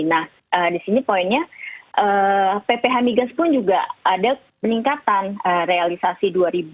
nah di sini poinnya pph migas pun juga ada peningkatan realisasi dua ribu dua